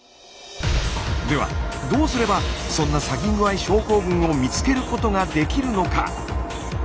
ではどうすればそんなサギングアイ症候群を見つけることができるのか？